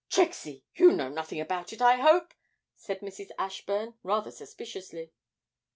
'Trixie, you know nothing about it, I hope?' said Mrs. Ashburn, rather suspiciously.